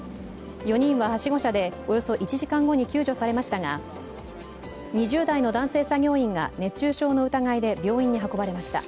４人ははしご車でおよそ１時間後に救助されましたが２０代の男性作業員が熱中症の疑いで病院に運ばれました。